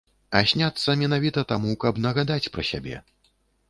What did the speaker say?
А сняцца менавіта таму, каб нагадаць пра сябе.